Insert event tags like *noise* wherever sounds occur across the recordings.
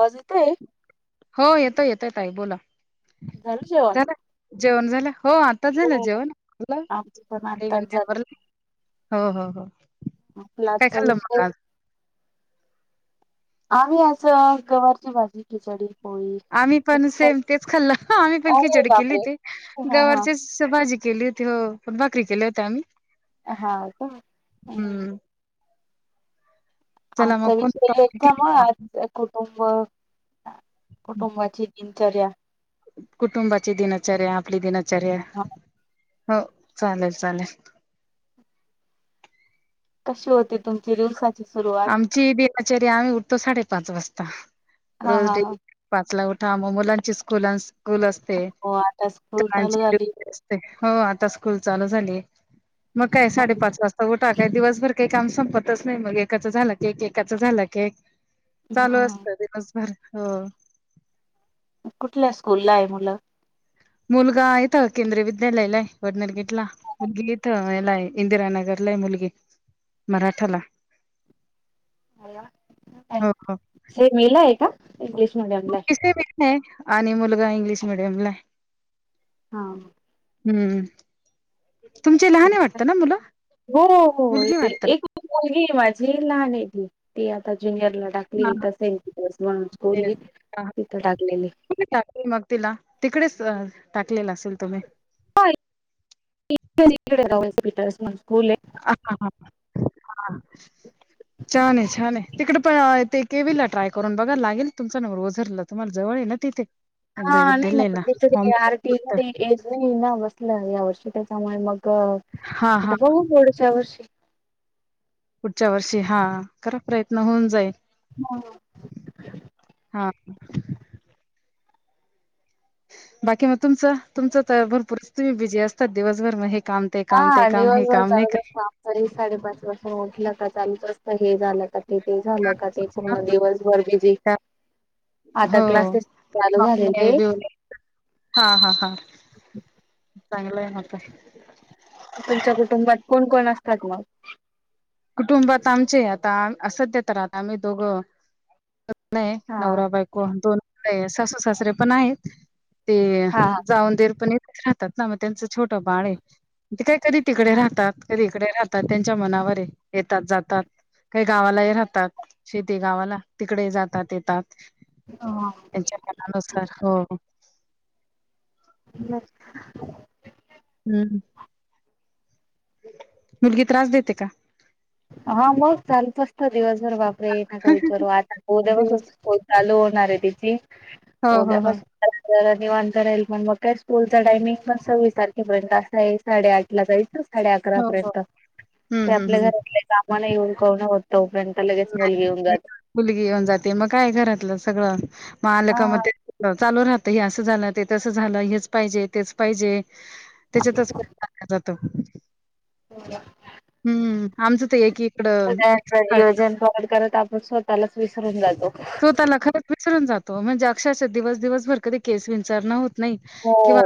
आवाज येतोय? हो योतयं योतयं ताई बोला. झालं जेवण? झालं.. जेवण झालं... हो आता झालं.. हो. जेवण आमचं पण आत्ताच झालं. *unintelligible* आपला काय आजचा खाल्लं मग विषय आज?? आम्ही असं गवारची भाजी खिचडी. पोळी आम्ही पण सेम तेचं खाल्लं. आम्ही पण अरे खिचडी केली बापरे! होती. हा हा गवारची ची भाजी- केली होती हो पण भाकरी केल्या होत्या आम्ही. हा का? हम्म. चला मग आजचा कोणता टॉपिक घेऊ विचार आपण? *unintelligible* कुटुंब कुटुंबाची दिन. चर्या. कुटुंबाची दिनचर्या. आपली दिनचर्या हा हो चालेलं.. चालेलं.. कशी होती तुमची रील्स आ- आमची दिनचर्या आम्ही उठतो साडे- पाच वाजता. हा रोज हा हा डेली पाच ला उठतो. हा म मुलांची स्कूलास स्कूल असते हो आता स्कूल चालू झाली. *unintelligible* हो आता स्कूल चालू झाली. मग काय हो. साडेपाच वाजता उठा. काय दिवसभर ते काम संपतच नाही मग ए एकाच झालं कि एक - एकाचं झालं कि एक. चालू हा असत दिवस बर हो. *inaudible* कुठल्या स्कूल ला आहे मुलं? मुलगा यथ केंद्रीय विद्यालयालाय वडनलगेटला मुलगी यथ यालाय इंदिरानगरलाय मुलगी मराठाला *inaudible* हे मेला आहे का? इंग्लिश मिडियमला आहे. कसे म आहे *unintelligible* आणि मुलगा इंग्लिश मिडियमलाय हा *inaudible* हम्म तुमचे लहान हा. वाटत ना मुलं? -मुलगी वाटत मुलगीये माझी लहान आहे ती, ती आता ज्युनियर ज्यूनियरला ना टाकली हा इथे तिथ तेच म्हणूल *unintelligible* हा तिथं टाकलेली कुठे टाकली मग तिला तिकडेच टाकलेलं असेल तुम्ही? हा इकडे -जावा- पीट *unintelligible* अ हा *unintelligible* हा *inaudible* छान आहे -छान आहे तिकडे पण ते केवीला ट्राय करून बघा लागेल तुमचा नंबर झरला तुम्हाला जवळ आहे ना तिथे हा नाही ना दिले पटल फॉर्म इथं आर टीए मध्ये एज नाही ना बसलं या वर्षी त्याच्यामुळे मग हो हा आता हा बघू पुढच्यावर्षी पुढच्या वर्षी, हा करा प्रयत्न होऊन जाईल. *inaudible* हा बाकी मग तुमच तुमच तर भरपूर तुम्ही बीजी असतात दिवसभर हे काम ते काम ते हा काम हे दिवसभर काम नाही चालूच का असत तरी साडेपाचपासून उठलं का चालूत असत हे झालं का ते -ते झालं का ते पूर्ण दिवसभर बीजी हो *inaudible* हा- हा -हा चांगलं आहे *inaudible* म आता तुमच्या कुटुंबात कोण कोण असतात मग? कुटुंबात आमचे आता सध्या तर आता आम्ही दोघं नाही हा नवरा बायको आणि दोन सासू सासरे पण आहेत. ते हा जाऊ आणि दीर पण येत. राहतात ना मग त्यांच छोट बाळ ये म ते कधीतरी तिकडे राहतात कधी इकडे राहतात त्यांच्या मनावर ये. येतात जातात काही गावालाही राहतात. शेती गावाला तिकडे जातात येतात. हा त्यांच्या मनानुसार हो *unintelligible* हं हं मुलगी त्रास देते का? हा मग चालूच असत दिवस भर बापरे! नका विचारू आता उद्या पासुन दिवस स्कूल चालू होइल. णारये तिची हो हो उद्या हो बस जरा निवांत राईल पण मग काय स्कूलचा टायमिंग मग सव्वीस तारखेपर्यंत असा ये साडे आठला जाईल. साडे अकरा हो हो पर्यंत हम्म ते हम्म आपल्या हम्म घरातल कामाला येऊन करणं हो तोपर्यंत मुलगी येऊन जाते मुलगी येऊन जाते मग काय घरातलं सगळं म आल का म हा तेच *unintelligible* चालू राहत हे असं झालं ते तसं झालं हेच पाहिजे. तेच पाहिजे. त्याच्यातच वेळ *unintelligible* जात. त. *unintelligible* आमचं त एक ही नियोजन काढ परत आपण स्वतः लाच विसरून जात स्वतः ला खरच विसरून जात. तो म्हणजे अक्षरशा दिवस दिवसभर कधी केस विंचरन होत नाही हो किंवा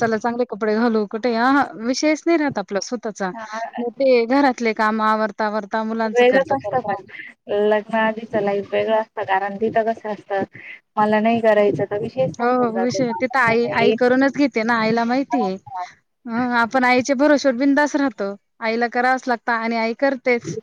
चला चांगले कपडे घालू कुठे अह विषयच नइ रात पला स्वतः चा हा, मग ते घरातले कामं आवर वेगळंच असत पण लग्न आधीच लाईफ वेगळं! पगारण तिथगत ह् ह् मला नाई करायचच. हो अ विषय तित आई आई करूनच घेते ना. आईला माहितीये आपण आईचे भरोशावर बिंनधास्त राहत आईला करावच लागत आणि आई करतेच.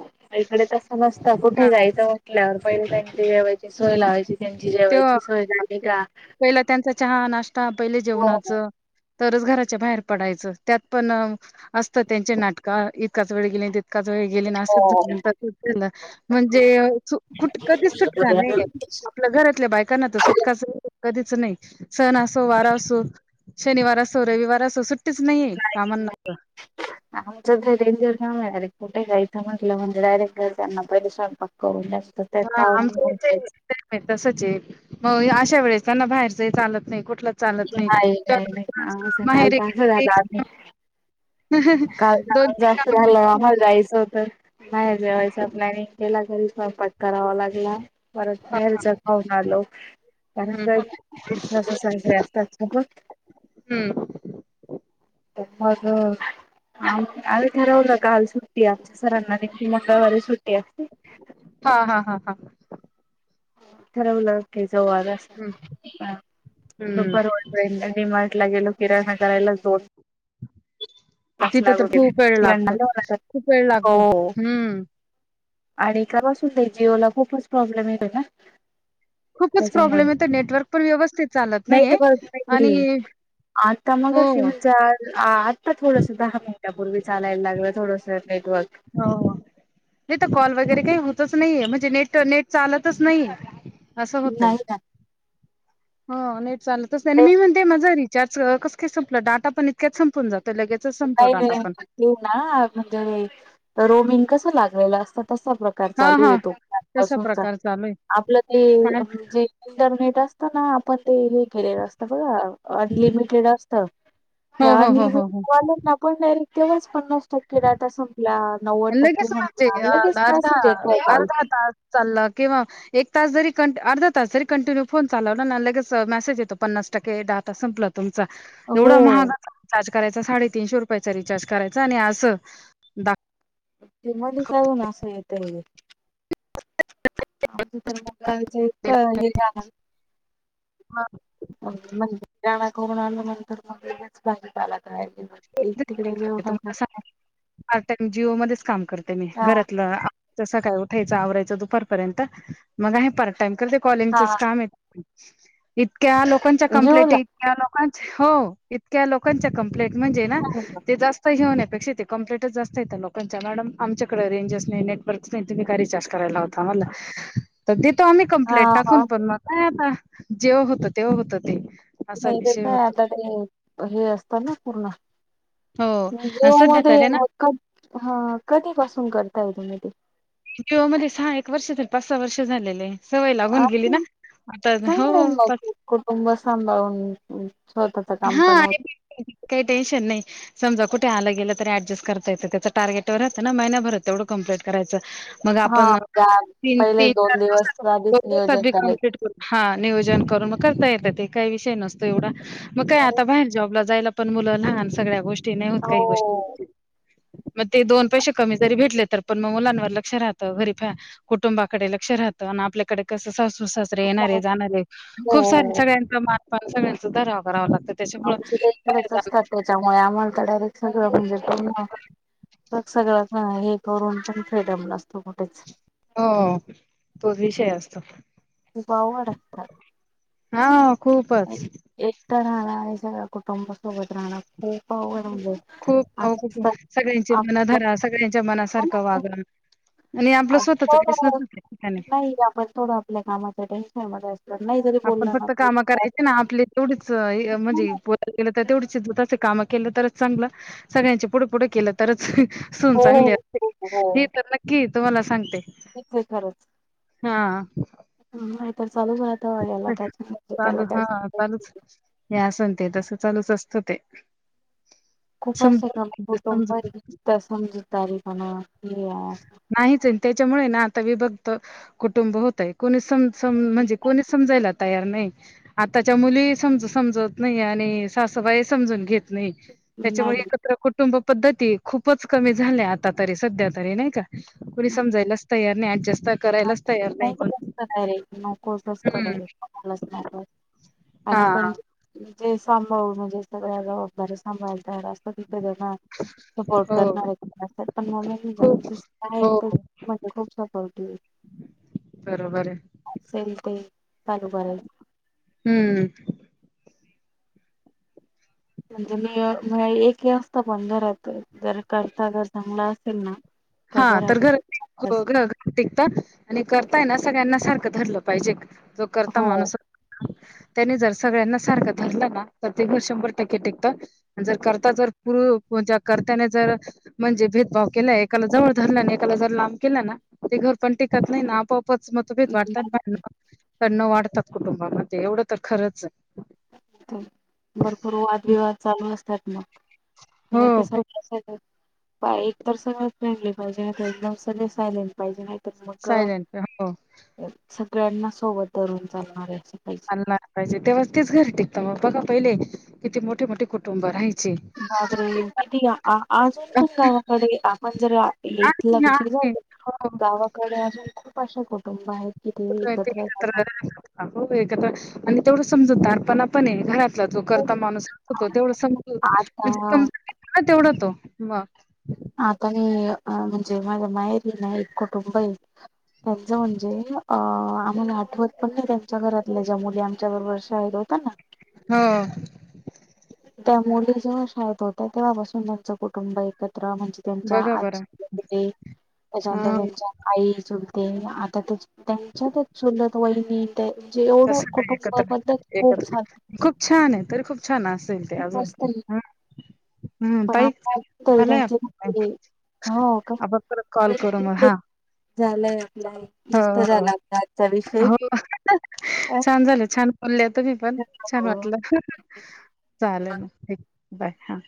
आईकडे तस नसत कुठेही हां. जायचं. म्हंटल्यावर पहिले टाइम दिवेवायची सोय लावायची. त्यांची तेव्ह जेवायची सोय अ झाली का पहिला त्यांचा चहा नाश्ता पहिले जेवणाचं तरच घराच्या बाहेर पडायचं त्यात पण असतं त्यांचे नाटक इतकाच वेळ गेले. का ज वे गेली नासे झा तरलं म्हणजे कुट कधीच सुटका नाही आपल्या घरात बायका ना तर सुटकाचं. कधीच नाही सण असो वारा असो शनिवार असो रविवार असो सु्ट आमचं ते डेंजर का मिणार रे कुठे गयं म्हटलं म्हज डायेटय त्यांना पहि सां पक्क होऊ जा हा आमच्याथ तसच आहे मग अशा वेळे त्यांना बाहेरच चालत नाही. कुठलंच चालत नाही नाही नाही सकाल माहेरी गेली काल दोन जास्त झालं जायचं होत मावाय स्वप् नाहीने केला करीस पत्काररावां लागला. पररत हां, हां. बाहेरच खाऊन आलो. त्या हं, हं. अस असतात. हं. हो. आम आम्ही ठरवलं काल सुट्टी आमच्या सरांना देखील मंगळवारी सुट्टी आहे. हां, हां, हां, हां. ठराव ना के. हं, हं. पर डीमार्ट ला गेलो. किरणणायला तो तिथं तर गेले. खूप वेळ किराणा लागतो आणायला लागला खूप वेळ लागतो हो हम्म. आणि कापासून ते जिओला खूपच प्रॉब्लेम येतो ना. खूपच त्याच्यामुळे प्रॉब्लेम येतय नेटवर्क पण व्यवस्थित चालत नाहीय नेटवर्क आणि नाहीये हो आत्ता थोडंस दहा मिनटपूर्वी चालायला लागलं थोडसं हो हित कॉल वगैरे काही होतच नाहीे म्हणजे नेट नेट चालतच नाही असं होतय नाही ना हाे न चालतच आणि ते मी म्हणतेय मजाा री च्याच कस काय संपलं डाट पण इतक्यात संपून जातो. लगेचच संपतो नाही डाटा पण. तर रोमिन कसं लागलं असतं तसा प्रकार हां, चालू हां. तसा येतोपसूनचा प्रकार चालू आहे. आपलं ते काय म्हणजे इंटरनेट ना आपण ते हे घेलेलं असतं बघा अनलिमिटेड असत ते हो, हो, हो, अनलिमि हो, हो. वा ना पण स तेलच. पन्नास टक्के डाटा संप लगेच म्हणजे अर्धा मेसेज येतोय काल अर्धा तास चालला किंवा एक तास जरी क अर्ध तास जरी कंटिन्यू फोन चालला की लगेच मेसेज येतो पन्नास टक्के डाटा संपलं तुम हो एवढा महागाचा करायचं साडेतीनशे रुपयच रिचार्ज करायचं आणि असं दाख *inaudible* ते मधी जाऊन असं येत तेघे आमच तर मो ना. तळले गाणं मग म्हण जा नको म्हणाल्या नंतर मग लगेच गावात आल्यात तुम्हाला सांगते पार्ट टाइम जिओ मध्येच काम करते मी हा घरातलं आमचं सगळं आवरून सकाळी उठल्यावर ्यायच आवरायचं दुपारपर्यंत मग आहे पार टाइम करते कॉलिंगच हा काम य इक त्या लोकांच्या कंप्लेंट जिओला इत्या आज हो इतक्या लोकांच्या कंप्लेंट म्हणजे ना ते जास्त घेऊन येत तशी ती कम्प्लेटच जास्त येत लोकांच्या मॅडम आमच्याकडे रेंजच नाही नेटवर्कस नाही तुम्ही काही रिचार्ज करायला लावता म्हणलं तर ते त्याने हा कंप्लेंट टाकून हा पनणार काय आता. जेव्हा होतं तेव्हा होतं ते असा नाही तेे विषय काय होतो आता ते हे असतं ना पूर्ण हो आणि जीओ सध्या मध्ये तरी ना हे कधी पासून करते ह मडी जीओमध्येध्ये सहा एक वर्ष झा पाच सहा वर्ष झालेले सवय लागून गेली ना आता हो चांगलं ला पण कुटुंब सांभावून हो. हा काही टेन्शन नाही समजा कुठ आलं गेलं तर ऍडजस्ट करता येत त्याच टारगेटवर राहत ना महिनाभरत तेवढं कम्प्लीट करायचं. मग हा आपण त्या तीन पहिले तीन चार दोन दिवस आधीच नियोजन दिवसात करायचं कंप्लीट करू हा नियोजन करून मग करता येत ते काही विषय नसतो एवढा मग काय आता बाहेर जॉबला जायला पण मुलं लहान सगळ्या गोष्टी होत काही हो गोष्टी मग ते दोन पैसे कमी जरी भेटले तर पण मग मुलांवर लक्ष राहत घरी फया कुटुंबाकडे लक्ष राहत आणि आपल्याकडे कसं सासू सासरे येणारे जाणारे खूप सार हो सगळ्यांचा मान पान सगळ्यांच धरावा करावं लागतं. त्याच्यामुळं आमच्याकडे बाहेर जाणं असतात त्याच्यामुळे आम्हाला तर डायरेक्ट सगळं म्हणजे पूर्ण सगळं करून पण फ्रीडम नसते हो तोच विषय असतो. खूप हा. खूपच एक एकटं राहयचंच कुटंब सोबत राहणं खूप अवघड म्हणजे खूप हो कठीन असं सगळ्यांचे आपल्या मनाधरा सगळ्यांच्या मनासारखं वागा आणि आपलं आ स्वतःच काहीच थोडं नसतं त्या ठिकाणी नाही आपण थोडं आपल्या कामाच्या टेन्शन मध्ये असत नाही जरी आपण बोललं ना फक्त आप काम करायचे ना आपले तेवढीच म्हणजे पुऊत गेले तर तेवढीशीच स्वतःची काम केलं तरच चांगलं सगळ्यांचे पुढ पुढ केलं तरच सून हो चांगली हो हो असते हे तर नक्की तुम्हाला सांगते तेच आहे हां, खरंच चालूच राहत याला काय त्याला चालू हा हा काय चालूच हे असं आणि ते तसं चालूच असतं ते खूप असं समजून क पाहिजे समजून कुटुंब समजुतदारी पणा नाहीच ये त्याच्यामुळे ना विभक्त कुटुंब होतय कोणी समजू सम म्हणजे कोणी समजाय तयार नाही आताच्या मुली समज समजत नाही आणि सासूबाई समजून घेत नाही असं त्याच्यामुळे नाही एकत्र कुटुंब पद्धती खूपच कमी झाल्या आतरी सध्या तरी नाही का? कुणी समजाय तयार नाय ऍडजेस्ट *unintelligible* हम्म हा आणि पण जे सांभाळून म्हणजे सगळ्या जबाबदाऱ्या सांभाळायला तयार असतात सगळ्याना सपोर्ट हो करणारे पण म खूप हो हो. *unintelligible* सपोर्टिव्ह बरोबर य असेल ते चालू करायच हम्म पण एक हे असत पण घरात कोणी करता धरता असेल ना हा तर घर टिकतात आणि करतायना सगळ्यांना सार धरलं पाहिजे जो करता हो माणूस त्यानी जर सगळ्यांना सारखं धरलं ना तर ते शंभर टक्के टिकत, जर करता जर पुरु म्हणजे करर्त्याने जर म्हणजे भेदभाव केलाय काला जवळ धरल ना एकाला जर लांब केलं ना ते घर पण टिकत नाही ना आपोआप का मतभेेद वाढतात न वाढतात कुटुंबामध्ये एवढं तर खरंचय *unintelligible* भरपूर वादविवाद चालू असतात नाही तर हो खूप सगळ्यांसोब एक तर सगळ फ्रेंडली पाहिजे ना एकदम सगळे सायलेंट पाहिजे नाही तर सायलेंट हो गळ्यांना सोबत धरून चालणारे असं पाहिजे. *unintelligible* ला पाहिजे तेव्हा तेच घरी टिकत म बघा पयले किती मोठे मोठे कुटुंब राहय बापरे! किती आ अजून पण गावाकडे आपण जर *unintelligible* हो गावाकडे अजून खुप शे कुटुंब आहेत ते एकत्र येतात हो एकत्र राहतात हो आणि तेवढंच समजदार पणा पण घरात तो करता माणूस असतो तेवढ समजत म्हणजे आता समजावतो ना तेवढं तो म आता मी अ म्हणजे माझ्या माहेरी ना, एक कुटुंबय त्यांचं म्हणजे अ आम्हाला आठवत पण नाही त्यांच्या घरातल्या ज्या मुली आमच्या बरोबर शाळेत होत्या ना? हो त्यामुळे जेव्हा शाळेत होत्या, तेव्हापासून त्यांचं कुटुंब एकत्र एकत्र, म्हणजे त्यांच्या बघा बरं आजीे त्याच्यानंतर हा त्यांच्या आई चुलते आता तर त्यांच्यात चुलत तोयनी एकत्र खूप एकत्र साधी खूप छान आहे तरी खूप छान अस ते मस्त आहे अजणला पण आता तरी त्यांचे ते हो का आपण परत कॉल करू मग हा झालंय आपला मस्त हो झाला आपला आजचा विषय हो छान झालं छान अ त मही पण छान हो वाटलं धन्यवाद चालं ना बय हा